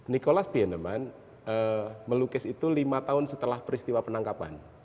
nicholas pieneman melukis itu lima tahun setelah peristiwa penangkapan